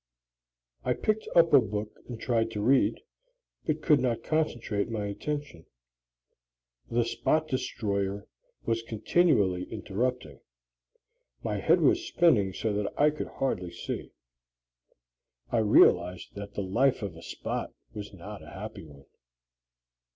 I picked up a book and tried to read, but could not concentrate my attention. The spot destroyer was continually interrupting. My head was spinning so that I could hardly see. I realized that the life of a spot was not a happy one.